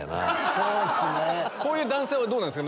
こういう男性はどうなんですか？